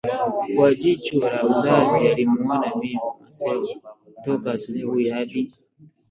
Kwa jicho la uzazi alimwona Me Masewa toka asubuhi hadi